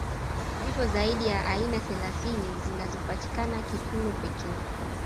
Zipo zaidi ya aina thelathini zinazopatikana Kitulo pekee